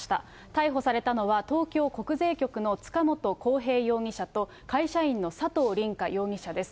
逮捕されたのは、東京国税局の塚本晃平容疑者と、会社員の佐藤凜果容疑者です。